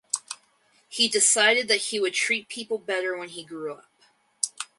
He decided that he would treat people better when he grew up.